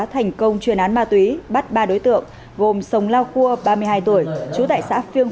thành công chuyên án ma túy bắt ba đối tượng gồm sống lao cua ba mươi hai tuổi chú tại xã phiêng